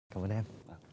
cảm ơn em